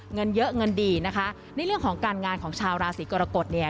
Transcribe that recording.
เงินเยอะเงินดีนะคะในเรื่องของการงานของชาวราศีกรกฎเนี่ย